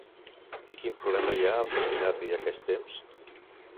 I quin problema hi ha amb destinar-li aquest temps?